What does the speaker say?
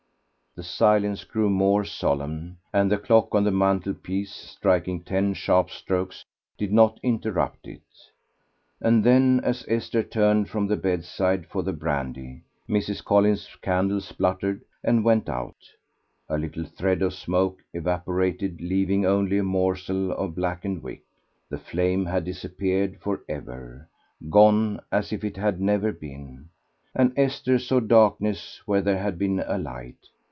The silence grew more solemn, and the clock on the mantelpiece striking ten sharp strokes did not interrupt it; and then, as Esther turned from the bedside for the brandy, Mrs. Collins's candle spluttered and went out; a little thread of smoke evaporated, leaving only a morsel of blackened wick; the flame had disappeared for ever, gone as if it had never been, and Esther saw darkness where there had been a light.